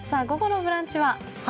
午後の「ブランチ」は？